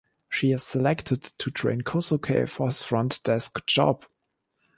She is selected to train Kosuke for his front desk job.